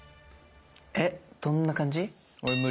えどんな感じ？